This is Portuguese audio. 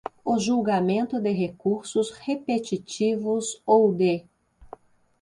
o julgamento de recursos repetitivos ou de